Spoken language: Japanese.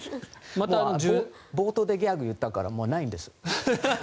冒頭でギャグを言ったからもうないんです。